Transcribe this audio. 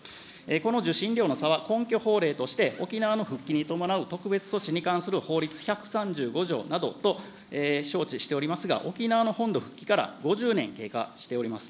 この受信料の差は根拠法令として、沖縄の復帰に伴う特別措置に関する法律１３５条などと承知しておりますが、沖縄の本土復帰から５０年経過しております。